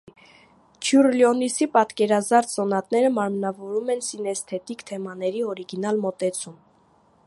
Չյուռլյոնիսի պատկերազարդ սոնատները մարմնավորում են սինեսթետիկ թեմաների օրիգինալ մոտեցում։